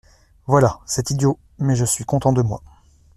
Voilà, c’est idiot, mais je suis content de moi.